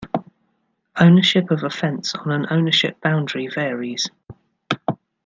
Ownership of a fence on an ownership boundary varies.